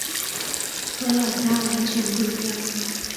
和老家完全不一样